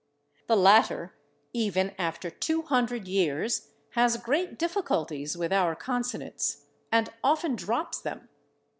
The latter, even after two hundred years, has great difficulties with our consonants, and often drops them.